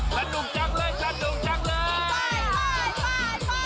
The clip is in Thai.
สนุกจังเลยสนุกจังเลย